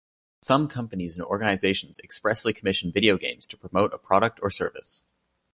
Some companies and organizations expressly commission video games to promote a product or service.